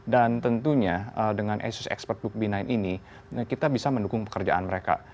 dan tentunya dengan asus expert book b sembilan ini kita bisa mendukung pekerjaan mereka